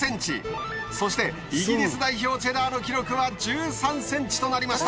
そしてイギリス代表チェダーの記録は１３ｃｍとなりました。